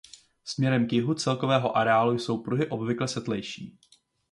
Směrem k jihu celkového areálu jsou pruhy obvykle světlejší.